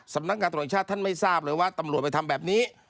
สำนักงานตรวจแห่งชาติท่านไม่ทราบเลยว่าตำรวจไปทำแบบนี้